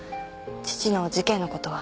父の事件のことは。